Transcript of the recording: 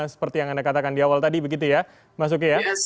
seperti yang anda katakan di awal tadi begitu ya mas uki ya